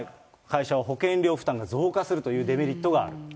会社は保険料負担が増加するというデメリットがある。